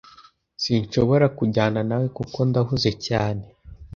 sinshobora kujyana nawe kuko ndahuze cyane